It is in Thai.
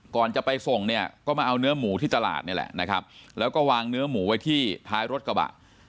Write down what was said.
ก่อนจะไปส่งเนี่ยก็มาเอาเนื้อหมูที่ตลาดนี่แหละนะครับแล้วก็วางเนื้อหมูไว้ที่ท้ายรถกระบะ